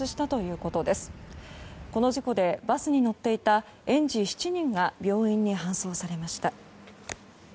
この事故でバスに乗っていた園児７人が病院に搬送されました。